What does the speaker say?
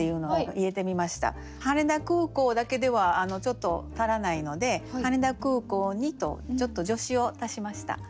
「羽田空港」だけではちょっと足らないので「羽田空港に」とちょっと助詞を足しました。